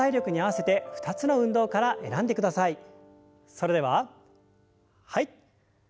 それでははい。